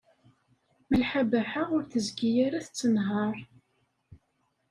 Malḥa Baḥa ur tezgi ara tettenhaṛ.